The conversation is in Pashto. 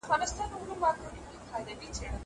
زه اجازه لرم چي سينه سپين وکړم!!